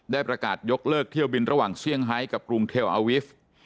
ได้ประกาศยกเลิกเที่ยวบินระหว่างเซี่ยงไฮกับกรุงเทลอาวิฟต์